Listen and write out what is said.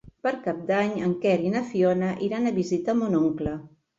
Per Cap d'Any en Quer i na Fiona iran a visitar mon oncle.